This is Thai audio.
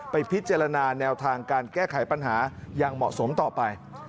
ไปพิจารณาแนวทางการแก้ไขปัญหาอย่างเหมาะสมต่อไป